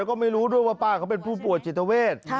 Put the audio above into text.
ก็ไม่รู้ด้วยว่าป้าเขาเป็นผู้ป่วยจิตเวท